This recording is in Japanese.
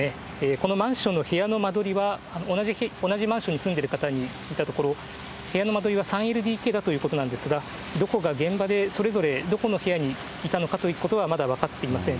このマンションの部屋の間取りは、同じマンションに住んでいる方に聞いたところ、部屋の間取りは３ＬＤＫだということなんですが、どこが現場で、それぞれどこの部屋にいたのかということはまだ分かっていません。